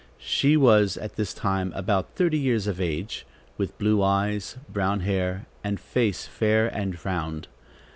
She was at this time about thirty years of age, with blue eyes, brown hair and face fair and round.